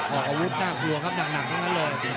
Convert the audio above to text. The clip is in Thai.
ออกอาวุธน่ากลัวครับหนักทั้งนั้นเลย